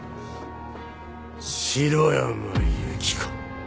城山由希子